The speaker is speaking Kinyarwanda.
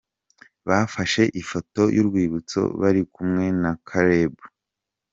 Bafashe ifoto y'urwibutso bari kumwe na Caleb.